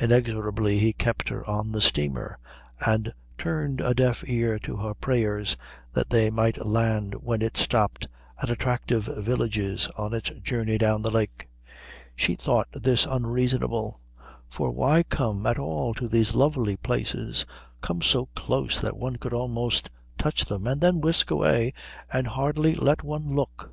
Inexorably he kept her on the steamer and turned a deaf ear to her prayers that they might land when it stopped at attractive villages on its journey down the lake. She thought this unreasonable; for why come at all to these lovely places, come so close that one could almost touch them, and then whisk away and hardly let one look?